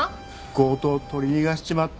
強盗を取り逃がしちまった。